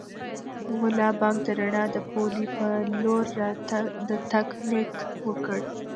ملا بانګ د رڼا د پولې په لور د تګ نیت وکړ.